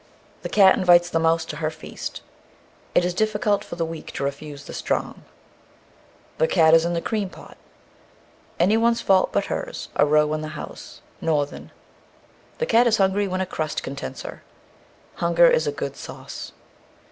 The cat invites the mouse to her feast. It is difficult for the weak to refuse the strong. The cat is in the cream pot. Any one's fault but hers. A row in the house (Northern). The cat is hungry when a crust contents her. Hunger is a good sauce.